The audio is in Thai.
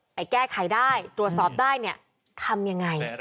ไปแก้ไขได้ตรวจสอบได้เนี่ยทำยังไง